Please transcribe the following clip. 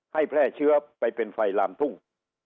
แพร่เชื้อไปเป็นไฟลามทุ่ง